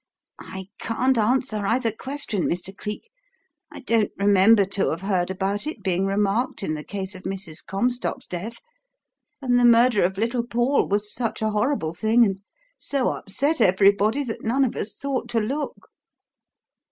"I can't answer either question, Mr. Cleek. I don't remember to have heard about it being remarked in the case of Mrs. Comstock's death; and the murder of little Paul was such a horrible thing and so upset everybody that none of us thought to look."